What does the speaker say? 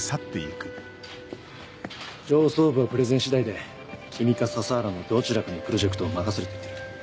上層部はプレゼン次第で君か佐々原のどちらかにプロジェクトを任せると言ってる。